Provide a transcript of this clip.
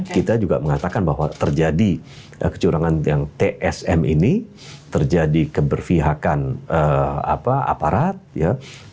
kita juga mengatakan bahwa terjadi kecurangan yang tsm ini terjadi keberpihakan aparat ya